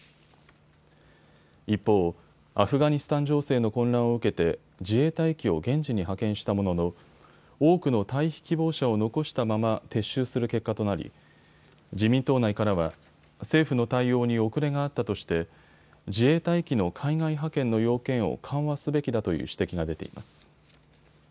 一方、アフガニスタン情勢の混乱を受けて自衛隊機を現地に派遣したものの多くの退避希望者を残したまま撤収する結果となり自民党内からは政府の対応に遅れがあったとして自衛隊機の海外派遣の要件を緩和すべきだという指摘が出ています。